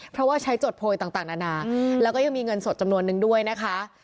เพราะว่าใช้จดโพยต่างนานาแล้วก็ยังมีเงินสดจำนวนนึงด้วยนะคะ